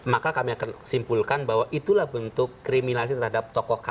maka kami akan simpulkan bahwa itulah bentuk kriminalisasi terhadap tokoh kami